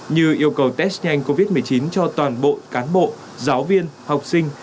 như yêu cầu test nhanh covid một mươi chín cho toàn bộ cán bộ giáo viên học sinh